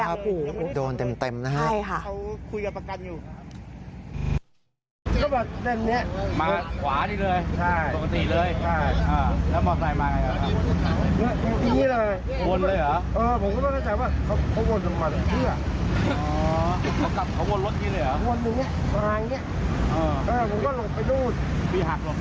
โอ้โฮโดนเต็มนะครับ